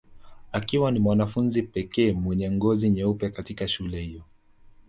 Akiwa ni mwanafunzi pekee mwenye ngozi nyeusi katika shule hiyo